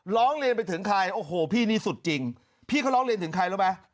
ร้องเรียนไปถึงใครโอ้โหพี่นี่สุดจริงพี่เขาร้องเรียนถึงใครรู้ไหม